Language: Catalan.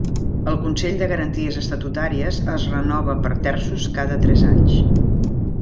El Consell de Garanties Estatutàries es renova per terços cada tres anys.